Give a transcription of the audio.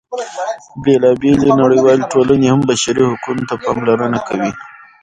بېلا بېلې نړیوالې ټولنې هم بشري حقونو ته پاملرنه کوي.